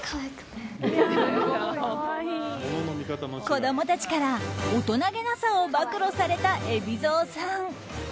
子供たちから大人げなさを暴露された海老蔵さん。